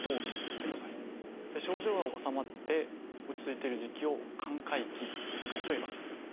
症状が治まって落ち着いてる時期を「寛解期」といいます。